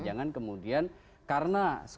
jangan kemudian karena